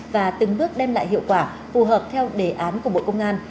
và từng bước đem lại hiệu quả phù hợp theo đề án của bộ công an